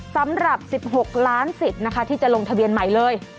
สำหรับ๑๖ล้านสิทธิ์นะคะที่จะลงทะเบียนใหม่เลย